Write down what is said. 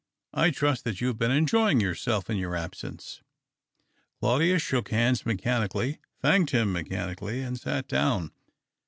I trust that you have been enjoying yourself in your absence." Claudius shook hands mechanically, thanked him mechanically, and sat down.